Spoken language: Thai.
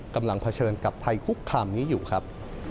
เผชิญกับภัยคุกคามนี้อยู่ครับ